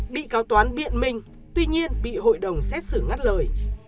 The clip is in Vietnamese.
bị cáo toán biện minh tuy nhiên bị hội đồng xét xử ngắt lời